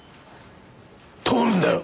通るんだよ！